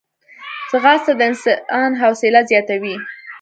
ځغاسته د انسان حوصله زیاتوي